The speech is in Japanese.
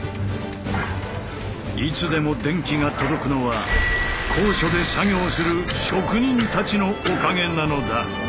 いつでも電気が届くのは高所で作業する職人たちのおかげなのだ。